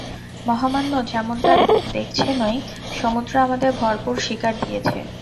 মহামান্য, যেমনটা দেখছেনই, সমুদ্র আমাদের ভরপুর শিকার দিয়েছে।